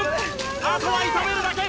あとは炒めるだけ！